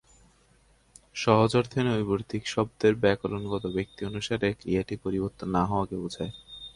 সহজ অর্থে "নৈর্ব্যক্তিক" শব্দের ব্যাকরণগত ব্যক্তি অনুসারে ক্রিয়াটি পরিবর্তন না হওয়াকে বোঝায়।